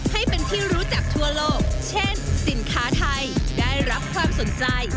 ให้เป็นที่รู้จักทั่วโลกเช่นสินค้าไทยได้รับความสนใจ